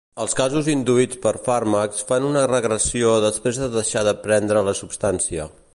Els casos induïts per fàrmacs fan una regressió després de deixar de prendre la substància.